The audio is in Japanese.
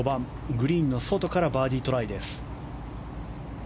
グリーンの外からバーディートライでした。